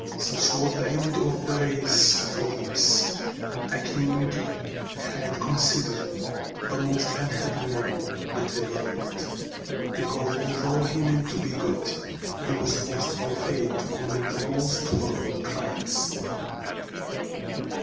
Such was the end of the race of OEdipus, a king who has been considered the most unhappy man that ever lived, because, although he meant to be good, he was forced by fate to commit the most horrible crimes.